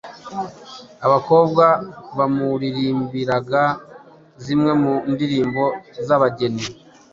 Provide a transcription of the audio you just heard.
Abakobwa bamuririmbiraga zimwe mu ndirimbo z’abageni,